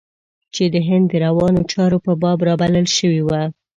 چې د هند د روانو چارو په باب رابلل شوی و.